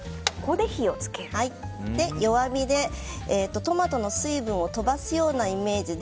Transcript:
弱火で、トマトの水分を飛ばすようなイメージで